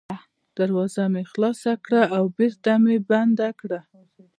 دروازه مې خلاصه کړه او بېرته مې بنده کړه.